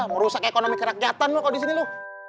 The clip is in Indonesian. merusak ekonomi kerakyatan lo kalau di sini lo